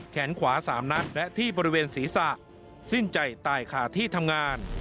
แขนขวา๓นัดและที่บริเวณศีรษะสิ้นใจตายขาดที่ทำงาน